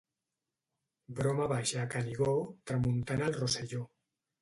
Broma baixa a Canigó, tramuntana al Rosselló.